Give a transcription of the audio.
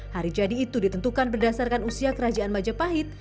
hari jadi itu ditentukan berdasarkan usia kerajaan majapahit